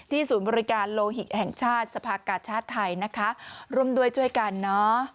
ที่ศูนย์บริการโลหิตแห่งชาติสภากาชาติไทยร่วมด้วยช่วยกัน